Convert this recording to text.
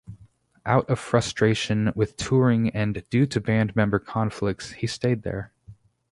Out of frustration with touring and due to band member conflicts he stayed there.